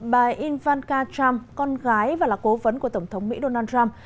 bà invanka trump con gái và là cố vấn của tổng thống mỹ donald trump